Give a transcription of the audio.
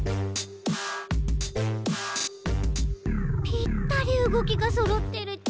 ぴったりうごきがそろってるち。